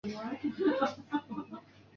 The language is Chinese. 但是这一问题在学界内还未形成共识。